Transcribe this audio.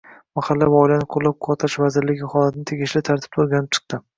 Mahalla va oilani qo‘llab-quvvatlash vazirligi holatni tegishli tartibda o‘rganib chiqdi